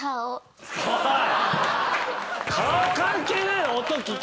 おい！